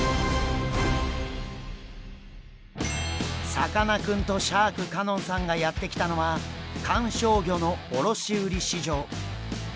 さかなクンとシャーク香音さんがやって来たのは観賞魚の卸売市場。